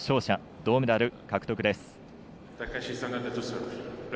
銅メダル獲得です。